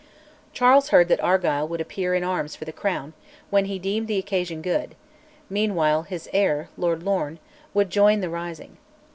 Charles heard that Argyll would appear in arms for the Crown, when he deemed the occasion good; meanwhile his heir, Lord Lorne, would join the rising.